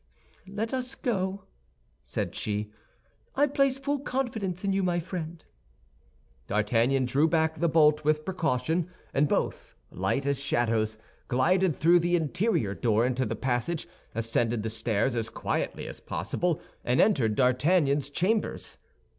"Let us go," said she, "I place full confidence in you, my friend!" D'Artagnan drew back the bolt with precaution, and both, light as shadows, glided through the interior door into the passage, ascended the stairs as quietly as possible, and entered D'Artagnan's chambers.